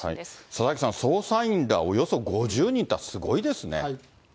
佐々木さん、捜査員らおよそ５０人っていうのは、すごいですね。